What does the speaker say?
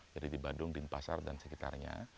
jadi di bandung dinpasar dan sekitarnya